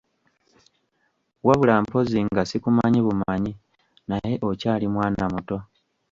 Wabula mpozzi nga sikumanyi bumanyi; naye okyali mwana muto.